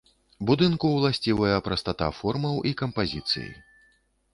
Будынку ўласцівая прастата формаў і кампазіцыі.